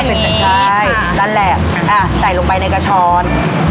เงี้ยกมาใช่เลยแหละอ่ะใส่ลงไปในกระช้อน